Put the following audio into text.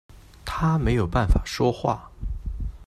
他没有办法说话